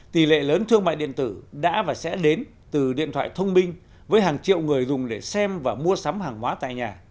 tỷ lệ lớn thương mại điện tử đã và sẽ đến từ điện thoại thông minh với hàng triệu người dùng để xem và mua sắm hàng hóa tại nhà